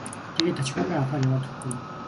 тэгээд ач хүүгээ авахаар яваад өгөхгүй юу.